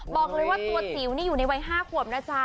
บอกเลยว่าตัวจิ๋วนี่อยู่ในวัย๕ขวบนะจ๊ะ